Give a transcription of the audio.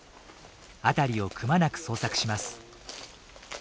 辺りをくまなく捜索します。